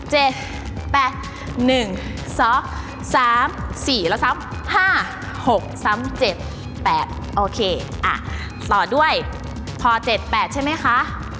ห้าหกซ้ำเจ็ดแปดโอเคอ่ะต่อด้วยพอเจ็ดแปดใช่ไหมคะ